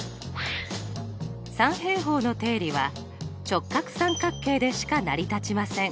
三平方の定理は直角三角形でしか成り立ちません。